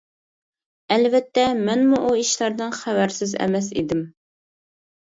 ئەلۋەتتە مەنمۇ ئۇ ئىشلاردىن خەۋەرسىز ئەمەس ئىدىم.